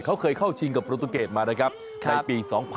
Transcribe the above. เขาเคยเข้าชิงกับโปรตูเกตมานะครับในปี๒๐๑๖